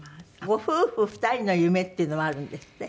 ご夫婦２人の夢っていうのもあるんですって？